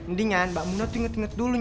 mendingan mbak muna tuh nget nget dulu